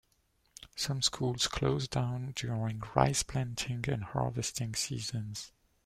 Some schools close down during rice planting and harvesting seasons.